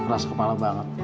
ras kepala banget